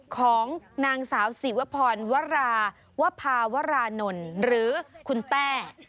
ของนางสาวศิวพรวราวภาวรานนท์หรือคุณแต้